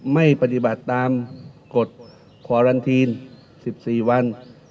ไม่ปฏิบัติตามกฎคอรันทีน๑๔วัน